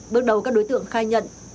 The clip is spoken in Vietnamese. bước đầu các đối tượng khai nhận